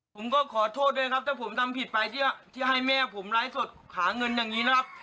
ผมก็ขอโทษด้วยครับถ้าผมทำผิดไปที่ให้แม่ผมไลฟ์สดหาเงินอย่างนี้นะครับ